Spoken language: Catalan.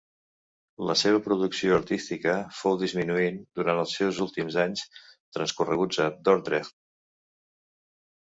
La seva producció artística fou disminuint durant els seus últims anys transcorreguts a Dordrecht.